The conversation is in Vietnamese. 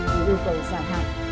vì yêu cầu giả hạn